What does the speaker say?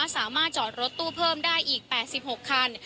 สามารถจอดรถตู้เพิ่มได้อีก๘๖คัน